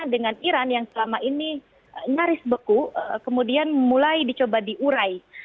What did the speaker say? dengan iran yang selama ini nyaris beku kemudian mulai dicoba diurai